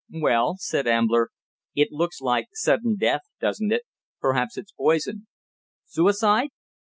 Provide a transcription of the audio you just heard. "Well," said Ambler, "it looks like sudden death, doesn't it? Perhaps it's poison." "Suicide?"